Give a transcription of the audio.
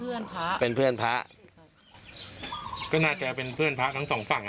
พระเป็นเพื่อนพระก็น่าจะเป็นเพื่อนพระทั้งสองฝั่งอ่ะ